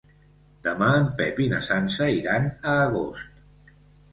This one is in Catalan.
Demà en Pep i na Sança iran a Agost.